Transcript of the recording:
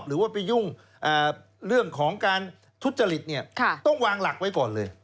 หรือว่าไปยุ่งเรื่องของการทุจริตต้องวางหลักไว้ก่อนเลย